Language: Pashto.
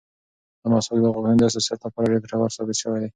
دا مسواک د غاښونو د حساسیت لپاره ډېر ګټور ثابت شوی دی.